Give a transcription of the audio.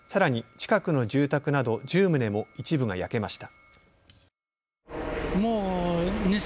近くの住宅など１０棟も一部が焼けました。